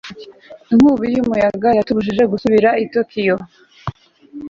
inkubi y'umuyaga yatubujije gusubira i tokiyo